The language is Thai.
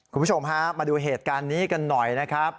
คุณผู้ชมฮะมาดูเหตุการณ์นี้กันหน่อยนะครับ